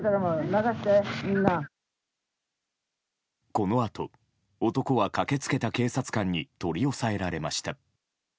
このあと、男は駆け付けた警察官に取り押さえられました。